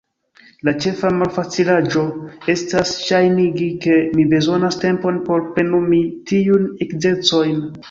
La ĉefa malfacilaĵo estas ŝajnigi ke mi bezonas tempon por plenumi tiujn ekzercojn.